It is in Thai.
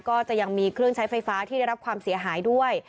ก็จะมีเครื่องใช้ไฟฟ้าที่ได้รับความเสียหายด้วย